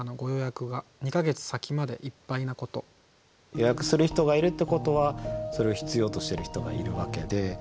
予約する人がいるってことはそれを必要としてる人がいるわけで。